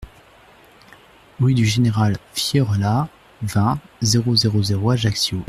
Rue du Général Fiorella, vingt, zéro zéro zéro Ajaccio